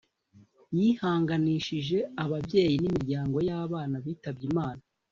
yihanganishije ababyeyi n’imiryango y’abana bitabye Imana